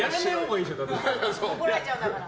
怒られちゃうんだから。